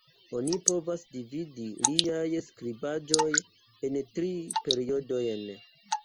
Oni povas dividi liaj skribaĵoj en tri periodojn.